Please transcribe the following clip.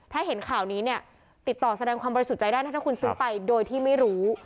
ถ้าเห็นข่าวนี้เนี่ยติดต่อแสดงความบริสุทธิ์ใจได้ถ้าคุณซื้อไปโดยที่ไม่รู้